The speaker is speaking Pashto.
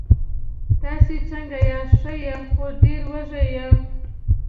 تاسې څنګه یاست؟ ښه یم، خو ډېر وږی یم.